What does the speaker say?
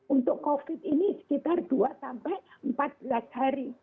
untuk covid ini sekitar dua sampai empat belas hari